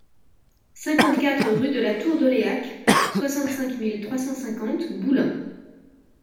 cinquante-quatre rue de la Tour d'Oléac, soixante-cinq mille trois cent cinquante Boulin